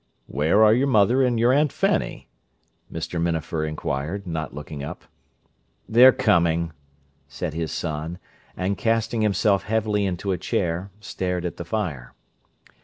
"Where are your mother and your Aunt Fanny?" Mr. Minafer inquired, not looking up. "They're coming," said his son; and, casting himself heavily into a chair, stared at the fire.